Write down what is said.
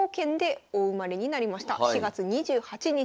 ４月２８日。